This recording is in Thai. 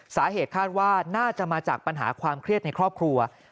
สาเหตุคาดว่าน่าจะมาจากปัญหาความเครียดในครอบครัว